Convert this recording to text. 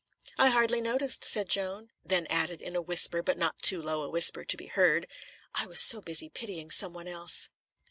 "I hardly noticed," said Joan; then added, in a whisper, but not too low a whisper to be heard: "I was so busy pitying someone else."